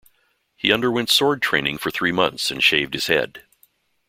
He underwent sword training for three months and shaved his head.